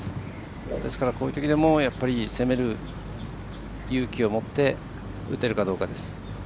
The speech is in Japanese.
ですから、こういうときでも攻める勇気を持って打てるかどうかです。